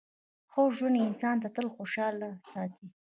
ښه ژوند انسان تل خوشحاله ساتي.